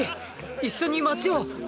一緒に街を。